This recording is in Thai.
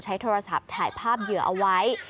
ใช้โทรศัพท์ถ่ายภาพเหยื่อเอาไว้